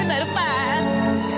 itu baru pas